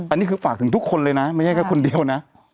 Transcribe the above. อันนี้คือฝากถึงทุกคนเลยนะไม่ใช่แค่คนเดียวนะ